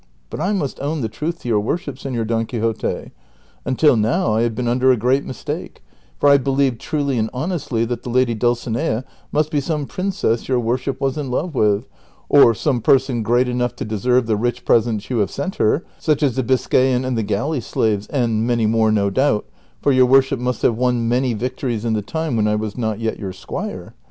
But I must own the truth to you.r worship, Senor Don Quixote ; until now I have been under a great mistake, for I believed truly and honestly that the lady Dulcinea must be some princess your worship was in love with, or some person great enough to deserve the rich presents you have sent her, such as the Biscayan and the galley slaves, and many more no doubt, for your worship must have won many victories in the time when I was not yet your squire.